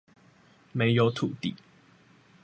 沒有土地！